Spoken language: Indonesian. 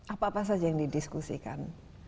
apa apa saja yang didiskusikan